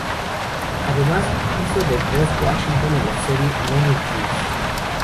Además hizo de Buzz Washington en la serie "Men in Trees".